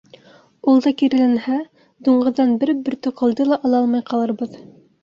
Ул да киреләнһә, дуңғыҙҙан бер бөртөк ҡылды ла ала алмай ҡалырбыҙ.